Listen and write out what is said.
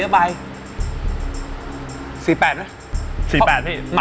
๔๘ไหม